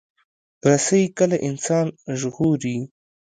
رسۍ کله انسان ژغوري.